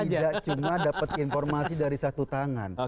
tidak cuma dapat informasi dari satu tangan